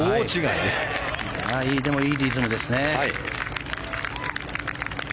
いいリズムですね。